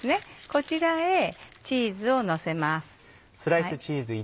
こちらへチーズをのせます。